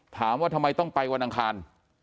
ถามว่าทำไมต้องไปวันอังคาร